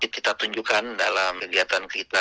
kita tunjukkan dalam kegiatan kita